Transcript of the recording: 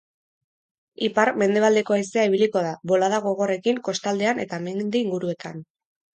Ipar-mendebaldeko haizea ibiliko da, bolada gogorrekin kostaldean eta mendi inguruetan.